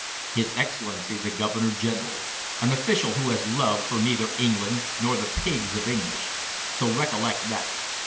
"His Excellency the Governor General, an official who has love for neither England nor the pigs of English. So recollect that."